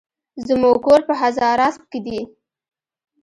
زموکور په هزاراسپ کی دي